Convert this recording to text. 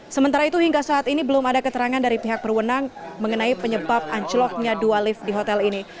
sementara itu hingga saat ini belum ada keterangan dari pihak perwenang mengenai penyebab anjloknya dua lift di hotel ini